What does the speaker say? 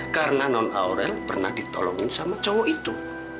karena nenek aurel pernah ditolongin sama cowok itu